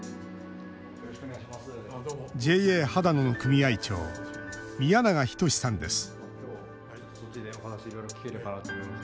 ＪＡはだのの組合長宮永均さんです